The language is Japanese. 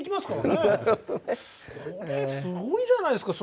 これすごいじゃないですか。